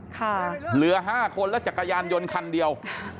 ค่ะเหลือห้าคนแล้วจักรยานยนต์คันเดียว